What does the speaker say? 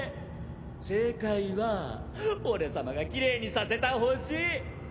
正解は俺様がきれいにさせた星！